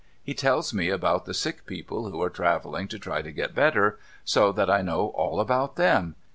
He tells me about the sick people who are travelling to try to get better — so that I know all about them